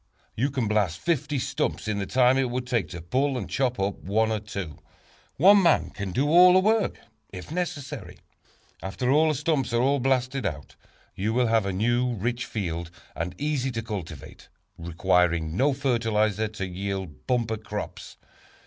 You can blast fifty stumps in the time it would take to pull and chop up one or two. One man can do all the work, if necessary. After the stumps are all blasted out, you will have a new, rich field, and easy to cultivate, requiring no fertilizer to yield bumper crops.